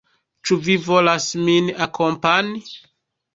Ĉu vi volas min akompani?